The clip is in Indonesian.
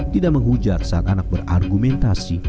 tidak menghujat saat anak berargumentasi